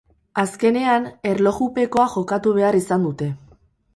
Azkenean, erlojupekoa jokatu behar izan dute.